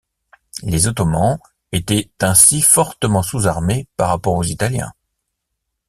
Les Ottomans étaient ainsi fortement sous-armés par rapport aux Italiens.